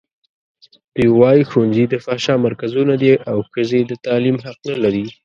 دوی وايي ښوونځي د فحشا مرکزونه دي او ښځې د تعلیم حق نه لري.